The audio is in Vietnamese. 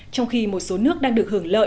trong khi một số nước đang được hưởng lợi